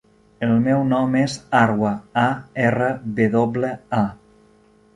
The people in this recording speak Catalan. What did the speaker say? El meu nom és Arwa: a, erra, ve doble, a.